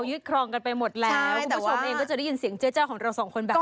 คุณผู้ชมเองก็จะได้ยินเสียงเจ้าของเราสองคนแบบนี้